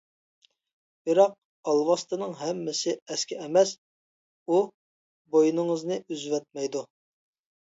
بىراق ئالۋاستىنىڭ ھەممىسى ئەسكە ئەمەس، ئۇ بوينىڭىزنى ئۈزۈۋەتمەيدۇ.